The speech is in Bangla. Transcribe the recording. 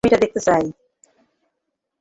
আমি এটা দেখতে চাই।